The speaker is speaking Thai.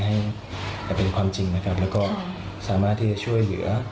ให้แต่เป็นความจริงนะครับแล้วก็สามารถที่จะช่วยเหลือ